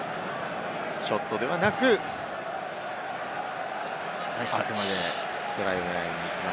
ショットではなくあくまでトライを狙いに行きます。